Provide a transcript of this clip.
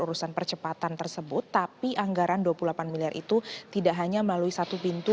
urusan percepatan tersebut tapi anggaran dua puluh delapan miliar itu tidak hanya melalui satu pintu